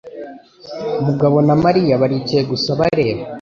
Mugabo na Mariya baricaye gusa bareba.